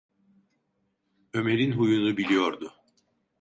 Ömer’in huyunu biliyordu.